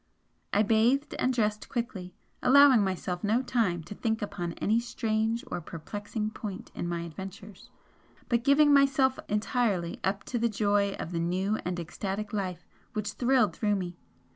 I bathed and dressed quickly, allowing myself no time to think upon any strange or perplexing point in my adventures, but giving myself entirely up to the joy of the new and ecstatic life which thrilled through me.